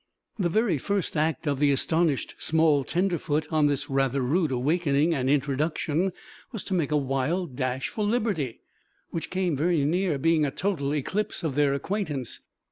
The very first act of the astonished small tenderfoot on this rather rude awakening and introduction, was to make a wild dash for liberty, which came near being a total eclipse of their acquaintance.